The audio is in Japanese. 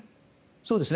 そうですね。